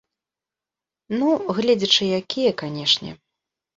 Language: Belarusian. Ну, гледзячы якія, канешне.